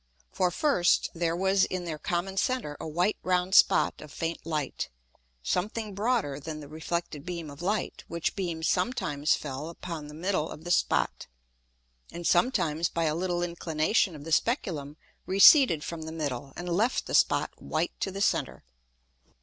For, first, there was in their common center a white round Spot of faint Light, something broader than the reflected beam of Light, which beam sometimes fell upon the middle of the Spot, and sometimes by a little inclination of the Speculum receded from the middle, and left the Spot white to the center.